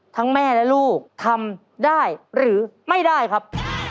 แม่และลูกทำได้หรือไม่ได้ครับ